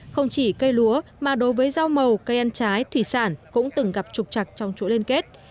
không chỉ cây lúa mà đối với rau màu cây ăn trái thủy sản cũng từng gặp trục chặt trong chuỗi liên kết